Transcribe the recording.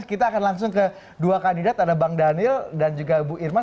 kita akan langsung ke dua kandidat ada bang daniel dan juga bu irman